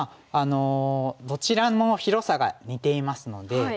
どちらも広さが似ていますので。